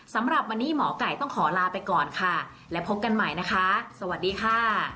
สำหรับวันนี้หมอไก่ต้องขอลาไปก่อนค่ะและพบกันใหม่นะคะสวัสดีค่ะ